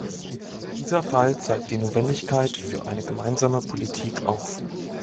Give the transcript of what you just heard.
Dieser Fall zeigt die Notwendigkeit für eine gemeinsame Politik auf.